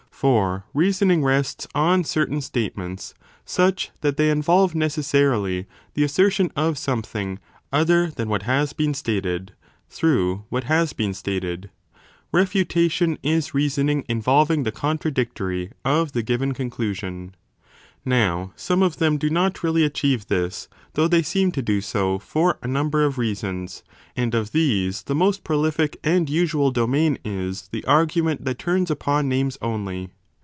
For reasoning rests on certain state 165* ments such that they involve necessarily the assertion of something other than what has been stated, through what has been stated : refutation is reasoning involving the contradic tory of the given conclusion. Now some of them do not really achieve this, though they seem to do so for a number of reasons ; and of these the most prolific and usual domain is the argument that turns upon names only.